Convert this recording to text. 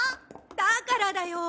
だからだよ！